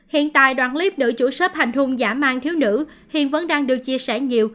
hiện tại đoạn clip nữ chủ shb hành hung giả mang thiếu nữ hiện vẫn đang được chia sẻ nhiều